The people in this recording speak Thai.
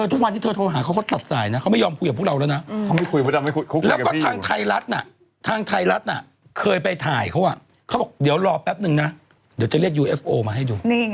จนอากาศไม่สามารถที่จะแทรกเข้าไปได้